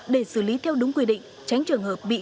để xử lý theo đúng quy định tránh trường hợp bị kẻ xấu lợi dụng